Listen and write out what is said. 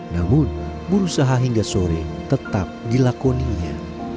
namun berusaha hingga sore tetap dilakoninya